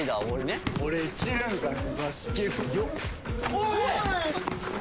おい！